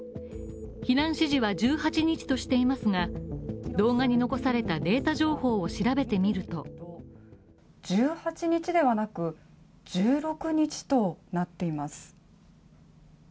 避難指示は１８日としていますが、動画に残されたデータ情報を調べてみると１８日ではなく、１６日となっています。